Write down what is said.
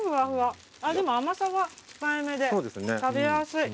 でも甘さは控えめで食べやすい。